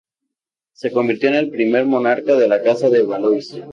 Se convirtió en el primer monarca de la Casa de Valois.